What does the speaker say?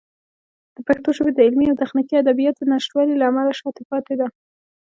پښتو ژبه د علمي او تخنیکي ادبیاتو د نشتوالي له امله شاته پاتې ده.